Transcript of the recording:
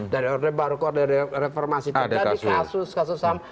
dari orde baru ke order reformasi terjadi kasus kasus ham